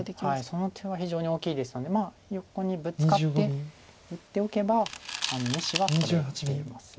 その手は非常に大きいですので横にブツカって打っておけば２子は取れています。